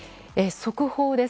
速報です。